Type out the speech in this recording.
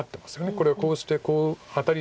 これをこうしてこうアタリした時に。